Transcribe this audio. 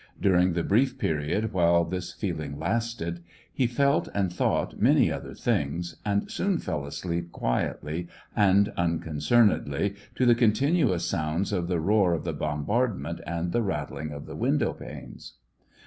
During the brief period while this feeling lasted, he felt and thought many other things, and soon fell asleep quietly and unconcernedly, to the continuous sounds of the roar of the bombardment and the rattling of the window panes.